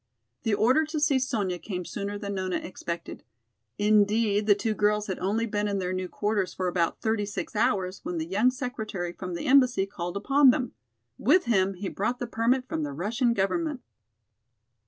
The order to see Sonya came sooner than Nona expected. Indeed, the two girls had only been in their new quarters for about thirty six hours when the young secretary from the embassy called upon them. With him he brought the permit from the Russian government.